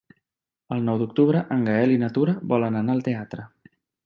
El nou d'octubre en Gaël i na Tura volen anar al teatre.